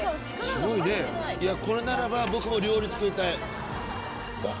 すごいねこれならば僕も料理作りたい。